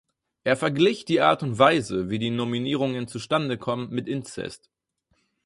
Er verglich die Art und Weise, wie die Nominierungen zustande kommen, mit Inzest.